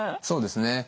そうですね